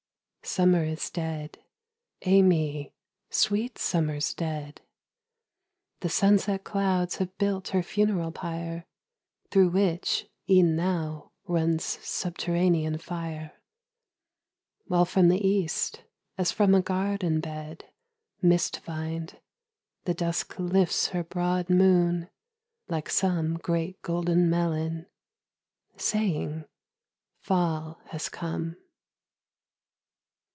Summer is dead, ay me! sweet Summer's dead! The sunset clouds have built her funeral pyre, Through which, e'en now, runs subterranean fire: While from the East, as from a garden bed, Mist vined, the Dusk lifts her broad moon like some Great golden melon saying, "Fall has come."